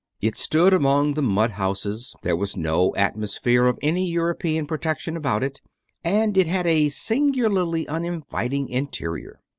It stood among the mud houses; there was no atmosphere of any European protection about it, and it had a singularly unin viting interior.